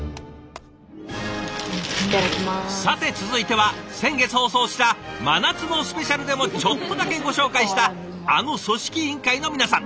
さて続いては先月放送した「真夏のスペシャル！」でもちょっとだけご紹介したあの組織委員会の皆さん。